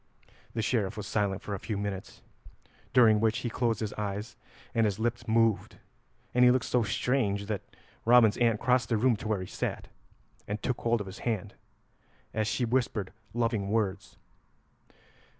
The Sheriff was silent for a few minutes, during which he closed his eyes and his lips moved, and he looked so strange that Robin's aunt crossed the room to where he sat, and took hold of his hand, as she whispered loving words.